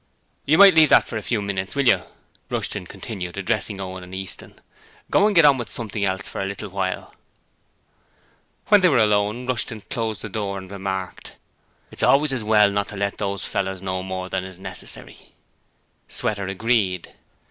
'You might leave that for a few minutes, will you?' Rushton continued, addressing Owen and Easton. 'Go and get on with something else for a little while.' When they were alone, Rushton closed the door and remarked: 'It's always as well not to let these fellows know more than is necessary.' Sweater agreed.